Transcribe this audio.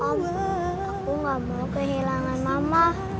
aku gak mau kehilangan mama